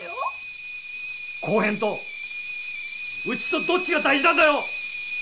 公園とうちとどっちが大事なんだよ！？